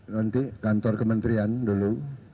nanti kantor kementerian dulu